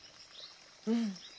うん。